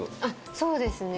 そうですね。